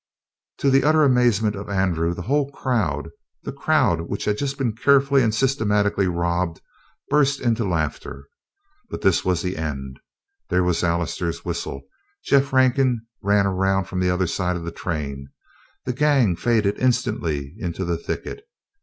To the utter amazement of Andrew the whole crowd the crowd which had just been carefully and systematically robbed burst into laughter. But this was the end. There was Allister's whistle; Jeff Rankin ran around from the other side of the train; the gang faded instantly into the thicket.